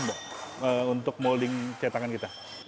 dua ratus lebih mbak untuk molding cetakan kita